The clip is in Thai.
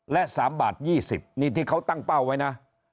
และ๓บาท๒๐นี่ที่เขาตั้งเป้าไว้นะ